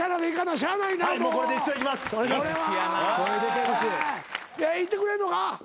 じゃあいってくれんのか？